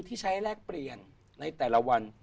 ที่ใช้แลกเปลี่ยนในแต่ละวัน